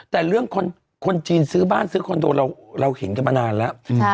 แต่เรื่องคนจีนซื้อบ้านซื้อคอนโดเราเห็นกันมานานแล้ว